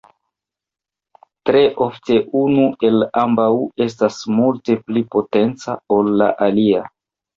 Tre ofte unu el ambaŭ estas multe pli potenca, ol la alia.